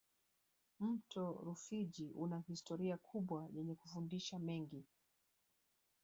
mto rufiji una historia kubwa yenye kufundisha mengi